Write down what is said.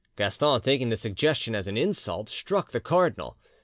Gaston taking the suggestion as an insult, struck the cardinal.